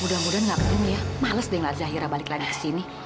mudah mudahan gak kebun ya males dengar zairah balik lagi ke sini